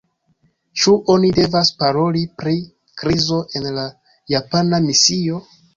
Ĉu oni devas paroli pri krizo en la japana misio?